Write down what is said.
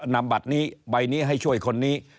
น้ำบัตรนี้ให้ช่วยคนนี้